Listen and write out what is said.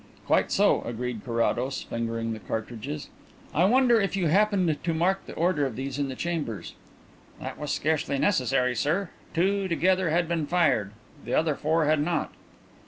"Quite so," agreed Carrados, fingering the cartridges. "I wonder if you happened to mark the order of these in the chambers?" "That was scarcely necessary, sir. Two, together, had been fired; the other four had not."